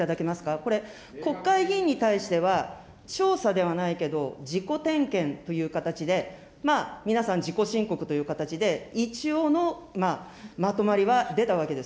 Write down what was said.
これ、国会議員に対しては、調査ではないけど、自己点検という形で、まあ、皆さん自己申告という形で、一応のまとまりは出たわけです。